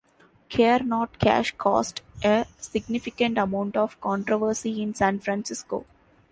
Care Not Cash caused a significant amount of controversy in San Francisco.